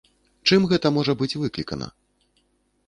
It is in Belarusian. Чым гэта можа быць выклікана?